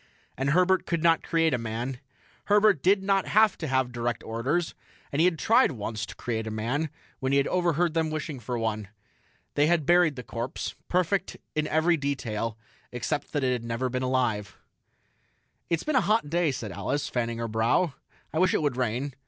And Herbert could not create a man. Herbert did not have to have direct orders, and he had tried once to create a man when he had overheard them wishing for one. They had buried the corpse perfect in every detail except that it never had been alive. "It's been a hot day," said Alice, fanning her brow. "I wish it would rain."